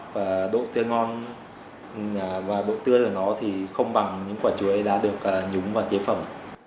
và độ tươi ngon và độ tươi của nó thì không bằng những quả chuối đã được nhúng vào chế phẩm